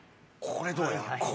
これどうや？